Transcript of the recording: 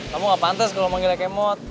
kamu gak pantas kalau manggilnya kemot